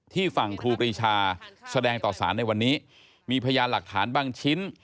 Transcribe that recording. ฝั่งครูปรีชาแสดงต่อสารในวันนี้มีพยานหลักฐานบางชิ้น